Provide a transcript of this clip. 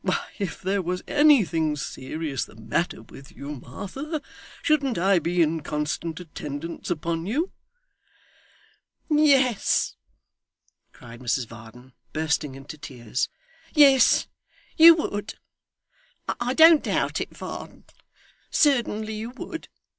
Why, if there was anything serious the matter with you, Martha, shouldn't I be in constant attendance upon you?' 'Yes!' cried Mrs Varden, bursting into tears, 'yes, you would. I don't doubt it, Varden. Certainly you would.